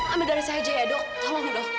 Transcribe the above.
ambil darah saya aja ya dok tolong dok